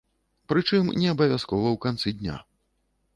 Прычым, неабавязкова ў канцы дня.